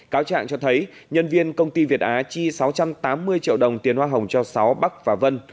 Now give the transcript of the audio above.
cáo trạng cho thấy nhân viên công ty việt á chi sáu trăm tám mươi triệu đồng tiền hoa hồng cho sáu bắc và vân